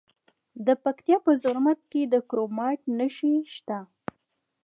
د پکتیا په زرمت کې د کرومایټ نښې شته.